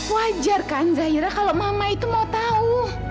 wajar kan zahira kalau mama itu mau tahu